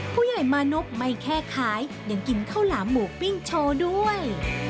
ผู้ใหญ่มานพไม่แค่ขายยังกินข้าวหลามหมูปิ้งโชว์ด้วย